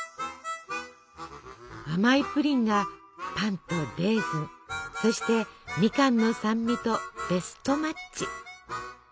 甘いプリンがパンとレーズンそしてみかんの酸味とベストマッチ。